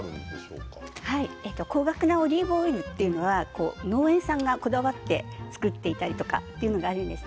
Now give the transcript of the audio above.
高額なオリーブオイルは農園さんがこだわって作っているということがあります。